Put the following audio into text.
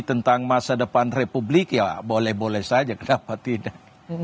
tentang masa depan republik ya boleh boleh saja kenapa tidak